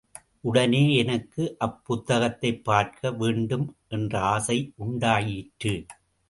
உடனே எனக்கு அப்புத்தகத்தைப் பார்க்க வேண்டும் என்ற ஆசை உண்டாயிற்று.